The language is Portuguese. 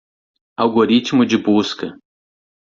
Algoritmo de busca.